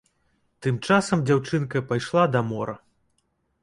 Там часам дзяўчынка пайшла да мора.